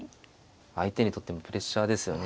相手にとってもプレッシャーですよね。